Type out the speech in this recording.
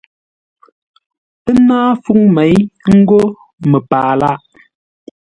Pə náa fúŋ méi ńgó məpaa lâʼ.